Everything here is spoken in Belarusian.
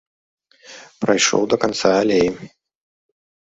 Прайшоў да канца алеі.